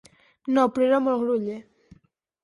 No; però era molt groller.